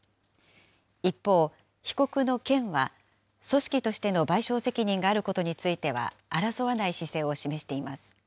一方、被告の県は、組織としての賠償責任があることについては、争わない姿勢を示しています。